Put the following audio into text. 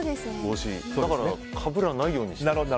だからかぶらないようにしてます。